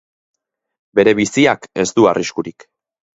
Bere biziak ez du arriskurik.